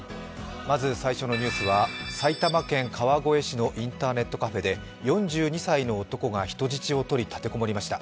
まず最初のニュースは埼玉県川越市のインターネットカフェで４２歳の男が人質をとり立てこもりました。